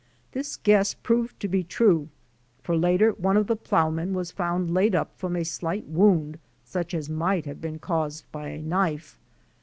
This guess proved to be true, for later one of the ploughmen was found laid up from a slight wound such as might have been caused by a knife.